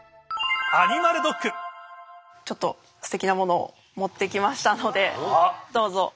ちょっとすてきなものを持ってきましたのでどうぞ。